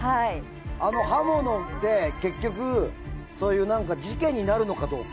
あの刃物って結局そういうなんか事件になるのかどうか。